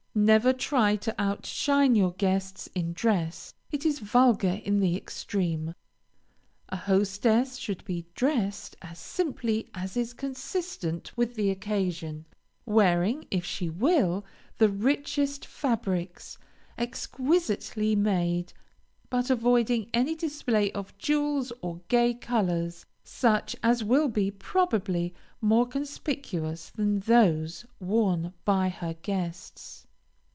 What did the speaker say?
Never try to outshine your guests in dress. It is vulgar in the extreme. A hostess should be dressed as simply as is consistent with the occasion, wearing, if she will, the richest fabrics, exquisitely made, but avoiding any display of jewels or gay colors, such as will be, probably, more conspicuous than those worn by her guests.